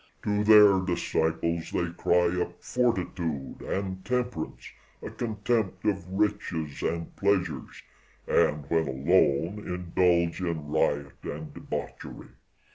To their disciples they cry up fortitude and temperance, a contempt of riches and pleasures, and, when alone, indulge in riot and debauchery.